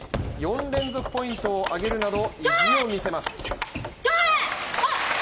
４連続ポイントを上げるなど意地を見せます。